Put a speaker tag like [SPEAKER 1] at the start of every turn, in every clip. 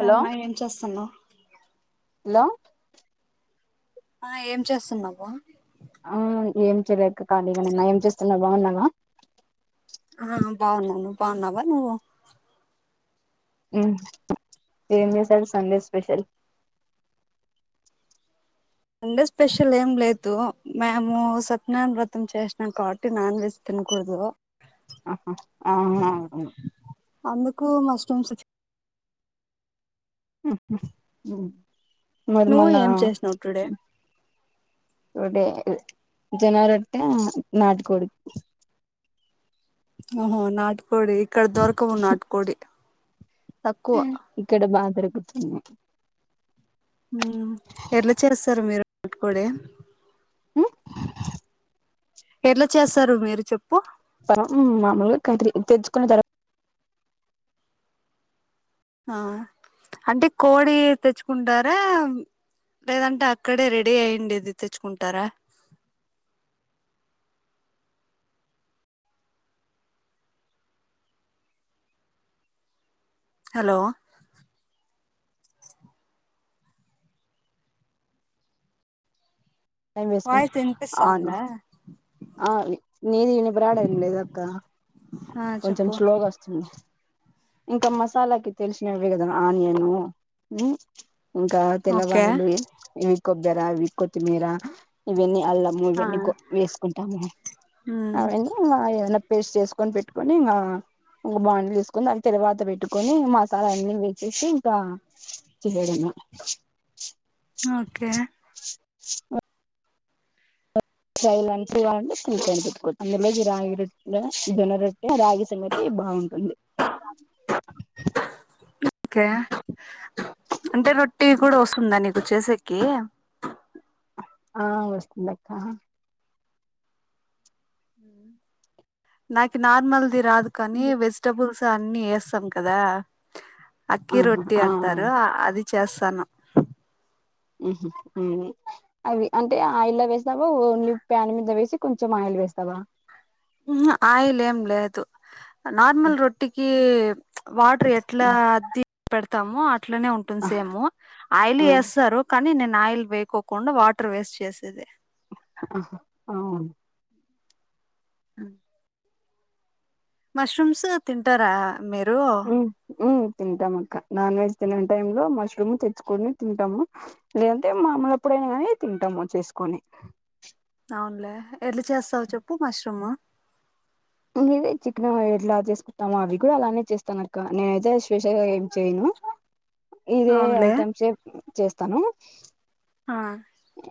[SPEAKER 1] ఆ అన్నా ఏం చేస్తున్నావ్
[SPEAKER 2] హలో
[SPEAKER 1] ఆ ఏం చేస్తున్నావు
[SPEAKER 2] ఆ ఏం చేయలేక కాళీగానే ఉన్నా ఏం చేస్తున్నావ్ బాగున్నావ
[SPEAKER 1] ఆ బాగున్నాను బాగున్నావా నువ్వు
[SPEAKER 2] ఉ ఏం జేశారు సండే స్పెషల్
[SPEAKER 1] అండే స్పెషల్ ఏం లేదు మేము సత్యనారాయణ వ్రతం చేసిన కావటి నాన్ వెజ్ తినకూడదు
[SPEAKER 2] ఆహా ఆవునవునవు
[SPEAKER 1] అందుకు మశ్రుమ్స్ చి
[SPEAKER 2] [inaudible]
[SPEAKER 1] నువ్వు
[SPEAKER 2] మొన్న
[SPEAKER 1] ఏం చేసినావ్ టుడే
[SPEAKER 2] రొటె అది జొన్న రొట్టె నాటు కోడి
[SPEAKER 1] ఓహో నాటుకోడి ఇక్కడ దొరకవు నాటుకోడి తక్కువ
[SPEAKER 2] ఇక్కడ బాగా దొరుకుతుంది
[SPEAKER 1] ఊ ఎట్లా చేస్తారు మీరు నట్టుకోడీ
[SPEAKER 2] ఉ
[SPEAKER 1] ఎట్లా చేస్తారు మీరు చెప్
[SPEAKER 2] తరు ఊ మాములే కంత్రీ తెచ్చుకున్న త
[SPEAKER 1] ఆ అంటే కోడి తెచ్చుకుంటారా లేదంటే అక్కడే రెడీ అయియండది తెచ్చుకుంటారా హలో
[SPEAKER 2] టైం వేసుకు
[SPEAKER 1] వాయిస్
[SPEAKER 2] అది
[SPEAKER 1] వినిపిస్తాందా
[SPEAKER 2] ఆ నీది నిపురాడం లేద అక్క
[SPEAKER 1] ఆ
[SPEAKER 2] కొంచెం
[SPEAKER 1] చెప్పు
[SPEAKER 2] స్లోగా వస్తుంది ఇంకా మసాలాకి తెలిసినవి కదా ఆనియను ఉ ఇంకా
[SPEAKER 1] ఓకే
[SPEAKER 2] తెల్లవాయులు ఇ ఇ కొబ్బర అది కొత్మీరా ఇవేన్ని అలమో
[SPEAKER 1] ఆ
[SPEAKER 2] ఇవన్నీ కో వేసుకుంటాము
[SPEAKER 1] ఉమ్
[SPEAKER 2] అవన్నీ నా ఏదనా పేస్ట్ చేసుకొని పెట్టుకొని ఇంకా ఒక బాంలు వేసుకొని అని తర్వాత పెట్టుకొని మసాలా అన్నీ వేసేసి ఇంకా చేయడమ్మా
[SPEAKER 1] ఓకే
[SPEAKER 2] ఒ సైల అన్స్ గా ఉండి అందరితోను పెట్టుకుంది ఇగ రాగి సంగటి బాగుంటుంది
[SPEAKER 1] కే అంటే రొట్టి కూడా వస్తుందా నీకు పుచ్చేసకి
[SPEAKER 2] ఆ వస్తుంది అక్క
[SPEAKER 1] నాకు నార్మల్ ఇది రాదు కానీ వెజిటబుల్స్ ఇగ అన్ని వేస్తాం కదా అక్కి
[SPEAKER 2] ఆహా
[SPEAKER 1] రొట్టి
[SPEAKER 2] ఆ
[SPEAKER 1] అంటారు ఆ అది చేస్తాను
[SPEAKER 2] ఉంహు అవి అంటే ఆయిల్ వేస్తావా ఓన్లీ ప్యాన్ మీద వేసి కొంచెం ఆయిల్ వేస్తావా.
[SPEAKER 1] ఆయిలేం లేదు నార్మల్ రొట్టికి వా ఎట్లా అద్ద పెడతు తము అట్లానే ఉంటుంది
[SPEAKER 2] ఆ
[SPEAKER 1] సామే ఆయిల్
[SPEAKER 2] ఆ
[SPEAKER 1] వేస్తారు కానీ నేను ఆయిల్ వేయకుండా వాటర్ వేస్ట్ చేసది
[SPEAKER 2] ఆహా అవు అ
[SPEAKER 1] మష్రూమ్స్ తింటారా మీరు
[SPEAKER 2] ఉమ్ ఉమ్ తింటాం అక్క నాన్ వెెజ్ తిన టై లో మష్రూమ్ తెచ్చుకొని తింటాము లేదంటే మాములుప్పుడైనా కాని తింటాము చేసుకొని
[SPEAKER 1] అవునలే ఎళ చేస్తావు చెప్పు మష్రూమ్
[SPEAKER 2] మీదే చికన ఎట్లా చేసుకుంటామో అవి కూడా అలానే చేస్తాను అక్క నేనుతే శేషగా ఏం చేయ్యను ఇదే
[SPEAKER 1] అవునులే
[SPEAKER 2] ఐటమ్స్ చేస్తాను
[SPEAKER 1] ఆ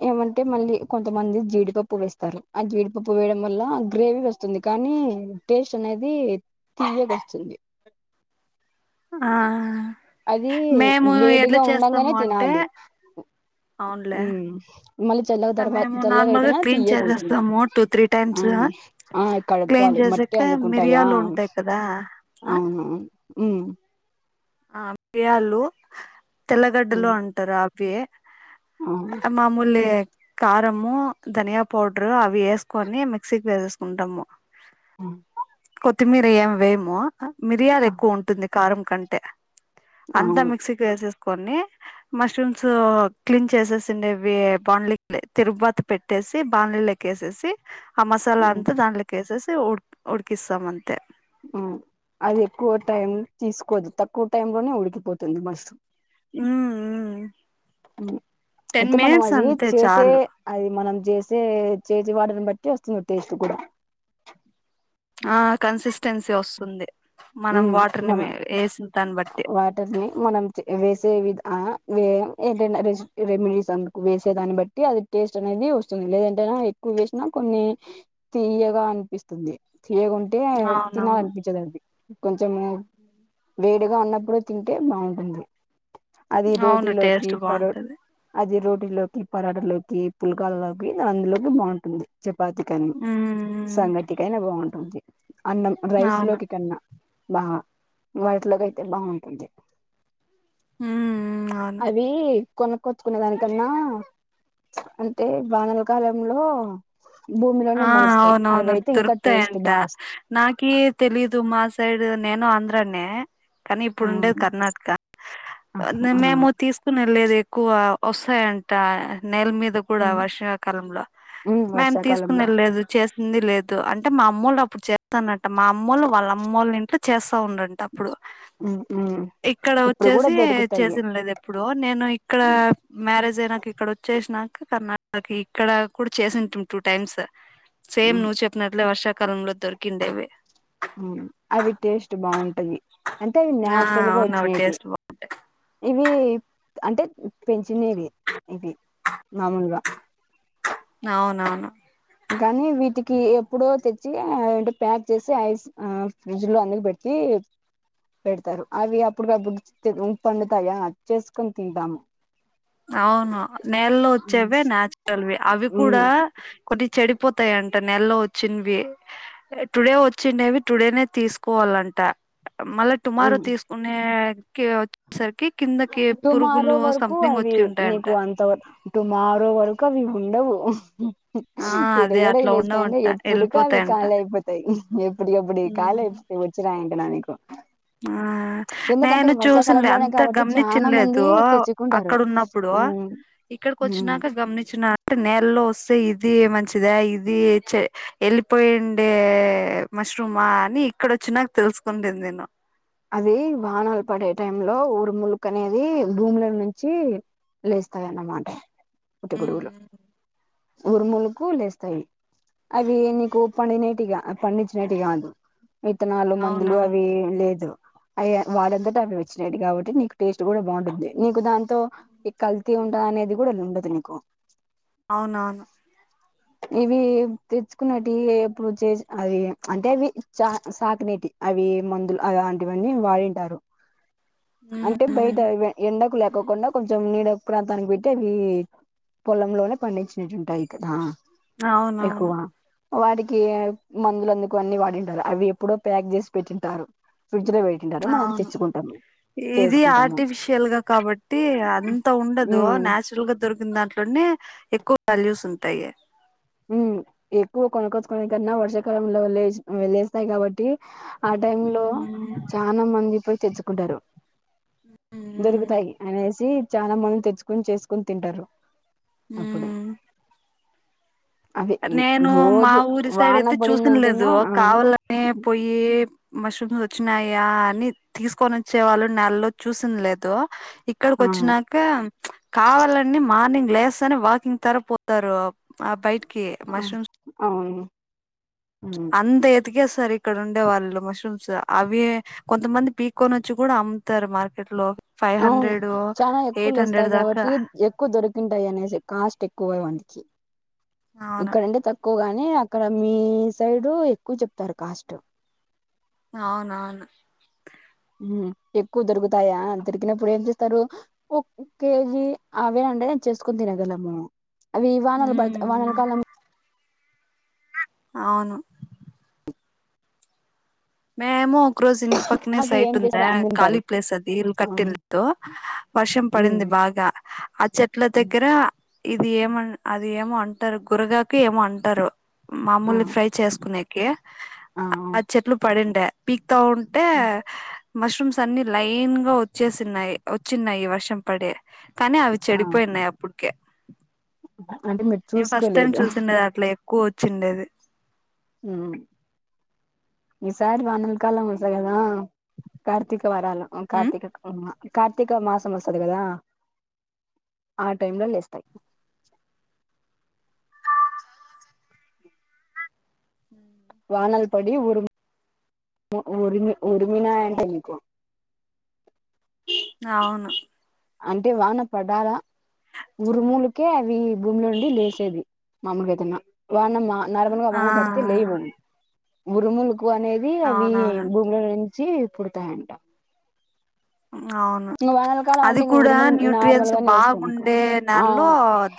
[SPEAKER 2] ఏమంటే మళ్ళీ కొంతమంది జీడిపప్పు వేస్తారు ఆ జీడిపప్పు వేయడం వల్ల గ్రేవీ వస్తుంది కానీ టేస్ట్ అనేది తీయేక వస్తుంది.
[SPEAKER 1] ఆ
[SPEAKER 2] అది
[SPEAKER 1] మేము ఎట్లా
[SPEAKER 2] వేడిగా ఉండగానే
[SPEAKER 1] చేస్తాము అంటే
[SPEAKER 2] తినాలి
[SPEAKER 1] అవునులే
[SPEAKER 2] మళ్ళీ చల్లగా తర్వా
[SPEAKER 1] మేము
[SPEAKER 2] చల్లగా
[SPEAKER 1] నార్మల్ గా
[SPEAKER 2] అయితేనా
[SPEAKER 1] క్లీన్
[SPEAKER 2] తీయకుంటుంది
[SPEAKER 1] చేసేస్తాము టూ త్రీ టైమ్స్
[SPEAKER 2] అవును ఆ
[SPEAKER 1] క్లీన్
[SPEAKER 2] కడుక్కోవాలి మట్టి
[SPEAKER 1] చేసాక
[SPEAKER 2] అందుకుంటాయా
[SPEAKER 1] మిరియాలు ఉంటాయి కదా ఆ
[SPEAKER 2] అవునవును. ఉ
[SPEAKER 1] ఆ బ్యాళ్ళు తెల్లగడ్డలో
[SPEAKER 2] ఉమ్
[SPEAKER 1] అంటారు వ
[SPEAKER 2] అవును
[SPEAKER 1] మామూలే కారము ధనియా పౌడరు అవి వేసుకొని మిక్సీకి వేసేసుకుంటాము
[SPEAKER 2] ఆ
[SPEAKER 1] కొత్తిమీర ఏమి వేయమో మిరియాలు ఎక్కువ ఉంటుంది కారం కంటే అంతా
[SPEAKER 2] అవును
[SPEAKER 1] మిక్సీకి వేసేస్త కొని మష్రూమ్స్ క్లీన్ చేసేసిండేవి బాండ్లి తిరుబత పెట్టేసి బాంలీ క్కేసేసి ఆ మసాలా
[SPEAKER 2] ఉమ్
[SPEAKER 1] దాంట్లో కేసెస్ ఉడ్డుకిస్తామంత.
[SPEAKER 2] అది ఎక్కువ టైం తీసుకోదు తక్కువ టై లోనే ఉడికిపోతుంది మష్రూమ్
[SPEAKER 1] ఆ
[SPEAKER 2] అయితే మనం అది
[SPEAKER 1] అంతే
[SPEAKER 2] చేసే
[SPEAKER 1] చాలు
[SPEAKER 2] అది మనం చెస్ చే చేసే వాడని బట్టి వస్తుంది టేస్ట్ కూడా
[SPEAKER 1] ఆ కన్సిస్టెన్సీ వస్తుంది
[SPEAKER 2] హ్
[SPEAKER 1] మనం వాటర్ ని
[SPEAKER 2] మన
[SPEAKER 1] వేసిన దాన్ని బట్టి
[SPEAKER 2] వాటర్ని మనం వే వేసే ఆ వే ఏంట ర రెమిడీస్ అ వేసే దాన్ని బట్టి అది టేస్ట్ అనేది వస్తుంది లేదంటేనా ఎక్కువ వేసినా కొన్ని తీయగా అనిపిస్తుంది తీయగుంటే
[SPEAKER 1] అవునవును
[SPEAKER 2] తినాలనిపించింది అది కొంచెం వేడిగా ఉన్నప్పుడు తింటే బాగుంటుంది అది రోటీ
[SPEAKER 1] అవును
[SPEAKER 2] లోకి
[SPEAKER 1] టేస్ట్
[SPEAKER 2] పరో
[SPEAKER 1] బాగుంటది
[SPEAKER 2] అది రోట్ టీలోకి పరాటలోకి పులకాలోకి అందులోకి బాగుంటుంది చపాతికానీ
[SPEAKER 1] ఉమ్, ఉమ్,
[SPEAKER 2] సంగటికి అయినా బాగుంటుంది [unintelligible] అన్నం రైస్
[SPEAKER 1] అవును
[SPEAKER 2] లోకి కన్నా బా వాట్లుగాయితే బావుంటుంది
[SPEAKER 1] ఉమ్, ఉమ్, అవును
[SPEAKER 2] అవి కొనుక్కొచ్చుకునే దానికన్నా అంటే వానల కాలంలో
[SPEAKER 1] ఆ
[SPEAKER 2] భూమిలోనే మొలుస్తాయి అవి
[SPEAKER 1] అవునవును
[SPEAKER 2] అయితే ఇంకా
[SPEAKER 1] దొరుకుతాయి
[SPEAKER 2] టేస్ట్
[SPEAKER 1] అంట
[SPEAKER 2] బాగా వస్తాయి
[SPEAKER 1] నాకే తెలీదు మాస్ సైడ్ నేను ఆంధ్రనే కానీ ఇప్పుడు ఉండేది కర్ణాటక
[SPEAKER 2] ఆ ఆ
[SPEAKER 1] మేము తీసుకుని వెళ్ళలేది. కువ వస్తాయింట నెల మీద కూడా వర్షావకాలంలో
[SPEAKER 2] ఉమ్
[SPEAKER 1] మేం
[SPEAKER 2] వర్షాకాలంలో
[SPEAKER 1] తీసుకునేది లేదు చే హుండీ లేదు అంటే మా అమ్మోళ్లు అప్పుడు చేస్తాన్న మా అమ్మోళ్లు వాళ్ళ అమ్మోళ్లు ఇంట్ల్ చెస్ అవును అంట అప్పుడు
[SPEAKER 2] ఉమ్ ఉమ్
[SPEAKER 1] ఇక్కడ
[SPEAKER 2] ఇప్పుడు కూడా
[SPEAKER 1] వచ్చేసి
[SPEAKER 2] దొరుకుతాయి
[SPEAKER 1] చేసింది లేదు ఎప్పుడు నేను ఇక్కడ
[SPEAKER 2] ఉమ్
[SPEAKER 1] మ్యారేజ్ నాకు ఇక్కడ వచ్చేసి నాకు కర్ణాటక ఇక్కడ కూడా చేసింద్ టూ టైమ్స్ సేమ్
[SPEAKER 2] ఉమ్
[SPEAKER 1] నువ్వు చెప్పినట్లే వర్షా కాలంలో దొరికిండేవి
[SPEAKER 2] హు అవి టేస్ట్ బాగుంటది అంటే అవి
[SPEAKER 1] ఆ
[SPEAKER 2] నాచురల్ గా
[SPEAKER 1] అవును అవి
[SPEAKER 2] వచ్చినటివి
[SPEAKER 1] టేస్ట్ బా
[SPEAKER 2] ఇవి అంటే పెంచినవి ఇవి మామూలుగా
[SPEAKER 1] అవునవును
[SPEAKER 2] కానీ వీటికి ఎప్పుడో తెచ్చి అంటే ప్యాక్ చేసి ఐస్ ఆ ఫ్రిడ్జ్ లో అందుకు పెట్టి పెడతారు అవి అప్పుటికప్పుడు పండుతాయా చేసుకొని తింటాము.
[SPEAKER 1] అవును నేలలో
[SPEAKER 2] ఉమ్
[SPEAKER 1] వచ్చేవి నాచురల్వి అవి
[SPEAKER 2] ఉమ్
[SPEAKER 1] కూడా కొన్ని చెడ పోతాయంట నెలో వచ్చిినవి టుడే వచ్చిండేవి టుడేనే తీసుకోవాలంట మళ్ళా టుమారో
[SPEAKER 2] ఉమ్
[SPEAKER 1] తీసుకునే వచ్చేసరికి కిందకి
[SPEAKER 2] టుమారో
[SPEAKER 1] పురుగులు
[SPEAKER 2] వరకు
[SPEAKER 1] సంథింగ్ వచ్చ
[SPEAKER 2] అవి నీకు అంత టుమారో వరకు అవి ఉండవు ఆ
[SPEAKER 1] ఆ
[SPEAKER 2] ఇప్పుడు
[SPEAKER 1] అదే
[SPEAKER 2] కూడా
[SPEAKER 1] అట్లా
[SPEAKER 2] లేస్తాయంటే
[SPEAKER 1] ఉండవంట
[SPEAKER 2] ఎప్పుడుక అవి
[SPEAKER 1] వెళ్ళిపోతాయంట
[SPEAKER 2] కాళీ అయిపోతాయి ఎప్పటికిప్పుడువి కాలీ అయిపోతాయి వచ్చినాయ నా నకు
[SPEAKER 1] ఆ నేను చూసిినలే
[SPEAKER 2] వర్షాకాలంలోనే
[SPEAKER 1] అంత
[SPEAKER 2] కాబట్టి
[SPEAKER 1] గమని
[SPEAKER 2] చానా మంది
[SPEAKER 1] చ్చినలేదు
[SPEAKER 2] తెచ్చుకుంటారు
[SPEAKER 1] అక్కడ ఉన్నప్పుడు
[SPEAKER 2] ఉమ్
[SPEAKER 1] ఇక్కడికి
[SPEAKER 2] ఉమ్
[SPEAKER 1] వచ్చినాక గమనించినంటే నేలల్లో వస్తే ఇది మంచిదా ఇది వెళ్ళిపోయిండే మష్రూమా అని ఇక్కడ వచ్చిన నాకు తెలుసుకుండది నేను
[SPEAKER 2] అది వాహనాలు పడే టై లో ఊరు ములుక్ అనేది భూముల నుంచి లేస్తందిన్నమాట
[SPEAKER 1] ఉ
[SPEAKER 2] పుట్టగొడుగులు ఉరుములకు లేస్తాయి అవి నీకు పండినటిగా పండించినటివి కాదు విత్తనాలు మందులు
[SPEAKER 1] అవునవును
[SPEAKER 2] అవి లేదు అయ వాడంతట అవి వచ్చినాడు కాబట్టి నీకు టేస్ట్ కూడా బాగుంటుంది నీకు దాంతో కల్తీ ఉంట అనేది కూడా ఉండదు నీకు
[SPEAKER 1] అవునవును
[SPEAKER 2] ఇవి తెచ్చుకున్నటి ఎప్పుడు చే అవి అంటే అవి చ సాకినేటి అవి మందులు అ అ ఇవన్నీ వాడింటారు అంటే బయట ఎండకు లే తక్కకుండా కొంచెం నీడ ప్రాంతానికి పెట్టి అవి పొలంలోనే పండించినట్టుంటాయి
[SPEAKER 1] అవునవును
[SPEAKER 2] వాటికి మందులుందుకు అన్ని వాడింటారు అవి ఎప్పుడో ప్యాక్ చేసి పెట్టింటారు ఫ్రిడ్జ్ లో పెట్టింటారు మనం
[SPEAKER 1] అవును
[SPEAKER 2] తెచ్చుకుంటాము
[SPEAKER 1] ఇది
[SPEAKER 2] చేసుకుంటాము
[SPEAKER 1] ఆర్టిఫిషియల్ గా కాబట్టి అంత ఉండదు
[SPEAKER 2] ఉమ్
[SPEAKER 1] నాచురల్ గా దొరికిన దాంట్లోనే ఎక్కువ తాలూ సనతాయియ
[SPEAKER 2] హ్మ్మ్ ఎక్కువ కొనక్కోచ్చుకునే కన్నా వర్షాకాలంలో వె వెళ్లేస్తాయి కాబట్టి ఆ టై లో
[SPEAKER 1] ఉమ్
[SPEAKER 2] చనాా మంది పోయి తెచ్చుకుంటారు దొరుకుతాయి అనేసి చాలా మంది తెచ్చుకుొని చేసుకుని తింటారు అప్పుడు
[SPEAKER 1] హ్మ్మ్
[SPEAKER 2] అవి
[SPEAKER 1] నేను మా
[SPEAKER 2] రోజు
[SPEAKER 1] ఊరి సైడ్
[SPEAKER 2] వాన
[SPEAKER 1] అయితే చూసినలేదు
[SPEAKER 2] పడిందంటేనా
[SPEAKER 1] కావాలని పోయి మష్రూమ్స్ వచ్చినాయా అని తీసుకొని వచ్చే వాళ్ళు నెలలో చూసిిన లేదు ఇక్కడికి
[SPEAKER 2] అవును
[SPEAKER 1] వచ్చాక కావాలని మార్నింగ్ లేస్తానే అని వాకింగ్ తర పోతారు ఆ బయట
[SPEAKER 2] ఆ అవును అవును
[SPEAKER 1] అంత ఎతిక సార్ ఇక్కడ ఉండే వాళ్ళు మష్రూమ్స్ అవి కొంతమంది పిక్కోని వచ్చి కూడా అమ్ముతారు మార్కెట్ లో. ఫైవ్
[SPEAKER 2] అవును
[SPEAKER 1] హండ్రెడ్
[SPEAKER 2] చాలా ఎక్కువ
[SPEAKER 1] ఎయిట్ హండ్రెడ్
[SPEAKER 2] లేస్తాయి
[SPEAKER 1] దాకా
[SPEAKER 2] కాబట్టి ఎక్కువ దొరికింటాయి అనేసి కాస్ట్ ఎక్. కోవ వందికి
[SPEAKER 1] అవును
[SPEAKER 2] ఇక్కడంటే తక్కువగాని అక్కడ మీ సైడ్ ఎక్కువ చెప్తారు కాస్ట్
[SPEAKER 1] అవునవును
[SPEAKER 2] ఎక్కువ దొరుకుతాయా దొరికినప్పుడు ఏం చేస్తారు ఒ కేజీ ఆవే అంటే నే చేసుకుని తినగలము. అవి వానలు పడుత వానాల
[SPEAKER 1] ఉమ్
[SPEAKER 2] కాలం
[SPEAKER 1] అవును మేము ఒక రోజు పక్కనే
[SPEAKER 2] అవి
[SPEAKER 1] సైట్
[SPEAKER 2] ఏం
[SPEAKER 1] ఉందా
[SPEAKER 2] చేస్తారు
[SPEAKER 1] ఖాళీ
[SPEAKER 2] అమ్ముంటారు
[SPEAKER 1] ప్లేస్ అది ఇలు
[SPEAKER 2] ఆ
[SPEAKER 1] కట్టినో వర్షం పడింది
[SPEAKER 2] ఉమ్
[SPEAKER 1] బాగా ఆ చెట్ల
[SPEAKER 2] ఉమ్,
[SPEAKER 1] దగ్గర ఇది ఏమ అది ఏమో అంటారు గురగాకి ఏమో అంటారు.
[SPEAKER 2] ఆ
[SPEAKER 1] మామూలు ఫ్రై చేసుకునే ఓకే
[SPEAKER 2] ఆ
[SPEAKER 1] చెట్లు పడిండ పీకి వా ఉంటే
[SPEAKER 2] ఉమ్,
[SPEAKER 1] మష్రూమ్స్ అన్ని లైన్ గా వచ్చేసినయి వచ్చినయి వర్షం పడే కానీ అవి
[SPEAKER 2] ఆ
[SPEAKER 1] చెడిపోయిన్నాయి అప్పుడు ఓకే
[SPEAKER 2] అంటే మీరు చూసుకోలేదు.
[SPEAKER 1] కోచిండేది
[SPEAKER 2] ఈసారి వానల్ కాల మసగదా కార్తిక వారాలం కార్తక కార్తీక మాసం వస్తుంది కదా ఆ టైమ్ లో లేస్తాయి
[SPEAKER 1] హ
[SPEAKER 2] వానల్ పడి ఉరుమి ఉరిమినాంటలికు
[SPEAKER 1] అవును
[SPEAKER 2] అంటే వాన పడాల ఊరుమూలకే అవి భూమిలో ఉండి లేసేది మామలుగాదనా వానం మా నార్మలుగా
[SPEAKER 1] ఆ
[SPEAKER 2] వాన పడుతే లేయవు ఉరుములు ఎక్కువ అనేది అవి
[SPEAKER 1] అవునవును
[SPEAKER 2] భూమిలో జప్పుడుతా ఏంట
[SPEAKER 1] అవును
[SPEAKER 2] కాలం
[SPEAKER 1] అది
[SPEAKER 2] అంటే ఇంగ
[SPEAKER 1] కూడా
[SPEAKER 2] ఉరుములు నార్మల్
[SPEAKER 1] న్యూట్రియన్స్
[SPEAKER 2] గానే వస్తాయి నీకు
[SPEAKER 1] బాగుండే
[SPEAKER 2] ఆ
[SPEAKER 1] నేలలో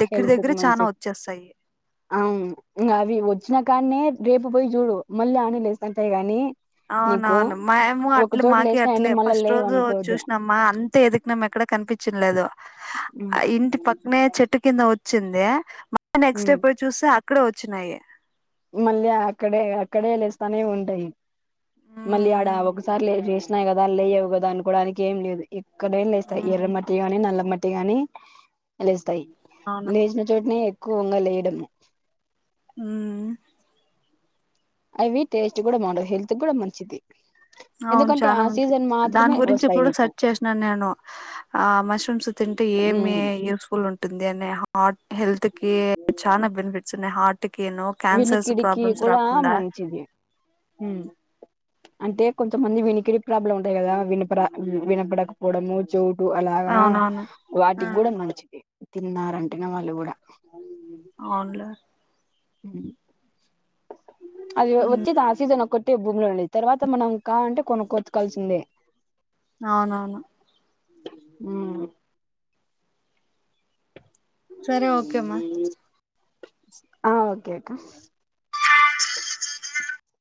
[SPEAKER 1] దగ్గర దగ్గర చానా వచ్చేస్తాయి.
[SPEAKER 2] అవును ఇం అవి వచ్చినా కాన్న రేపు పోయి చూడు మళ్ళీ ఆనేలేస్తుంటాయి గానీ
[SPEAKER 1] అవునవును మేము అట్లే మాక అట్లే
[SPEAKER 2] లేసినాయని మళ్ళా
[SPEAKER 1] ఫస్ట్
[SPEAKER 2] లేవు
[SPEAKER 1] రోజు
[SPEAKER 2] అనుకోవద్దు
[SPEAKER 1] చూసినమ్మా అంతే ఎదికినాం ఎక్కడ కనిపించంలేదు
[SPEAKER 2] ఉమ్.
[SPEAKER 1] ఆ ఇంటి పక్కనే చెట్టు కింద వచ్చ వచ్చింది నెక్స్ట్ డే
[SPEAKER 2] ఉమ్.
[SPEAKER 1] పోయి చూస్తే ఆ ఇక్కడ వచ్చినాయి
[SPEAKER 2] మళ్ళీ అక్కడే అక్కడే లేస్తానే ఉంటాయి మళ్ళీ యాడ
[SPEAKER 1] ఉమ్,
[SPEAKER 2] సార్ లే చేసినయి కదా అని లేయవు కదా అనుకోవడానికి ఏం లేదు కడ ఇస్తా
[SPEAKER 1] ఉమ్,
[SPEAKER 2] ఎర్ర
[SPEAKER 1] ఉమ్,
[SPEAKER 2] మట్టిగానీ నల్ల మట్టి అ కాగాని అ
[SPEAKER 1] అవును
[SPEAKER 2] లేసిన చోడనీ కూవంగ లీయడము
[SPEAKER 1] హుమ్
[SPEAKER 2] అవివి టేస్ట్ కూడా హల్త్ కూడా మంచిది
[SPEAKER 1] అవును
[SPEAKER 2] ఎందుకంటే
[SPEAKER 1] చాలా
[SPEAKER 2] ఆ
[SPEAKER 1] మంచి
[SPEAKER 2] సీజన్
[SPEAKER 1] దాని
[SPEAKER 2] మాత్రమే
[SPEAKER 1] గురించి
[SPEAKER 2] వస్తాయి
[SPEAKER 1] ఇప్పుడు
[SPEAKER 2] నీకు
[SPEAKER 1] సెర్చ్ చేసినను నేను ఆ మష్రూమ్స్ తింటే ఏమి
[SPEAKER 2] ఉమ్.
[SPEAKER 1] యూస్ఫుల్ ఉంటుంది అని హార్ట్ హెల్త్ కి చాలా బెనిఫిట్స్ ఉన్నాయి హార్ట్ కిను క్యాన్సర్స్
[SPEAKER 2] వినీకిడికి
[SPEAKER 1] ప్రాబ్లమ్స్
[SPEAKER 2] కూడా
[SPEAKER 1] రాకుండా
[SPEAKER 2] మంచిది హ అంటే కొంతమంది వినికిడి ప్రాబ్లం ఉంటాయి కదా వినపడ వినపడకపోవడము చూ అలాగా
[SPEAKER 1] అవునవును ఆ
[SPEAKER 2] వాటికి కూడా మంచిది తిన్నారంటేనే వాళ్ళు కూడా
[SPEAKER 1] అవునులే
[SPEAKER 2] హ అది
[SPEAKER 1] హ్మ్.
[SPEAKER 2] ఒచ్చదా సీజన్ ఒక భూమిలో ఉండది తర్వాత మనం కాాలంటే కొను కొతు కల్సిందే
[SPEAKER 1] అవునవును
[SPEAKER 2] హుమ్
[SPEAKER 1] సరే ఓకేమా
[SPEAKER 2] ఆ ఓకే అక్క